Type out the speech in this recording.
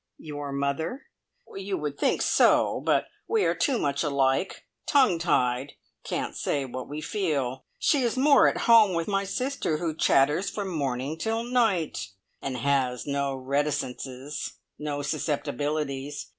"Your mother?" "You would think so, but we are too much alike tongue tied can't say what we feel. She is more at home with my sister, who chatters from morning till night, and has no reticences, no susceptibilities.